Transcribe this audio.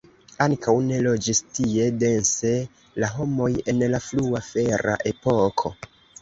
Ankaŭ ne loĝis tie dense la homoj en la frua fera epoko.